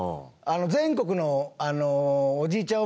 全国のおじいちゃん